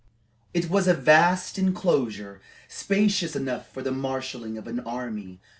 It was a vast enclosure, spacious enough for the marshalling of an army.